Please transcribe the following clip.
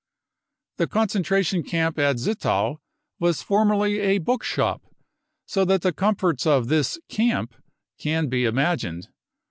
The concentration camp at Zittau was formerly a book shop, so that the comforts of this " camp 59 can be imagined.